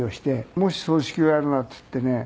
もし葬式をやるなんていってね。